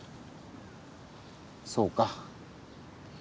そうか。